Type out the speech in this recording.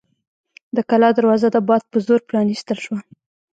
د کلا دروازه د باد په زور پرانیستل شوه.